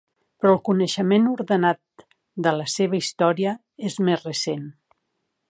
Però el coneixement ordenat de la seva història és més recent.